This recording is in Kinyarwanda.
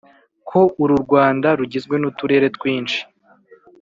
ko uru rwanda rugizwe n'uturere twinshi,